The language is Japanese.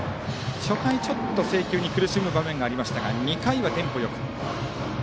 初回はちょっと制球に苦しむ場面がありましたが２回はテンポ良く。